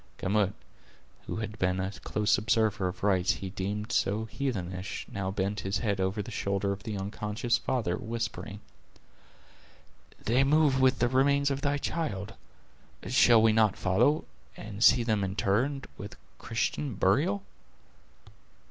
Gamut, who had been a close observer of rites he deemed so heathenish, now bent his head over the shoulder of the unconscious father, whispering: "They move with the remains of thy child; shall we not follow, and see them interred with Christian burial?"